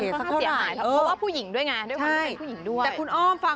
สวัสดีค่ะ